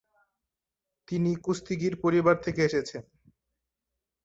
তিনি কুস্তিগীর পরিবার থেকে এসেছেন।